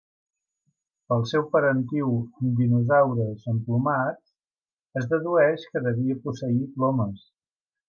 Pel seu parentiu amb dinosaures emplomats, es dedueix que devia posseir plomes.